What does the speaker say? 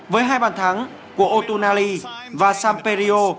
với hai bàn thắng của otunali và samperio